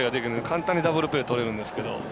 簡単にダブルプレーをとれるんですけどね。